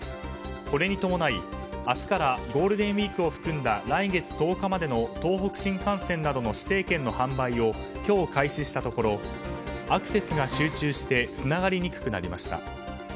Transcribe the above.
これに伴い、明日からゴールデンウィークを含んだ来月１０日までの東北新幹線などの指定券の販売を今日、開始したところアクセスが集中してつながりにくくなりました。